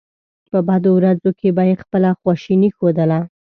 په بدو ورځو کې به یې خپله خواشیني ښودله.